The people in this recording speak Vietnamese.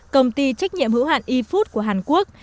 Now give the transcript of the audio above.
công ty trách nhiệm hữu hạn e food của hàn quốc